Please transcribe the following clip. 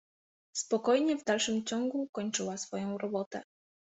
Spokojnie w dalszym ciągu kończyła swą robotę.